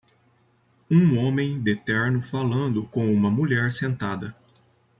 Um homem de terno falando com uma mulher sentada.